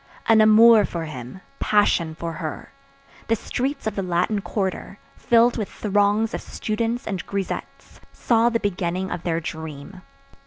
An amour for him; passion for her. The streets of the Latin quarter, filled with throngs of students and grisettes, saw the beginning of their dream.